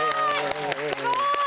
すごい